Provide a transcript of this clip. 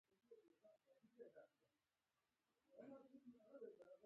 دا دواړه سیمې په ناتوفیان فرهنګي حوزه کې شاملې وې